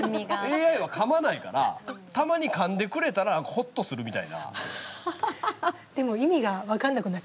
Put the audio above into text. ＡＩはかまないからたまにかんでくれたらほっとするみたいな。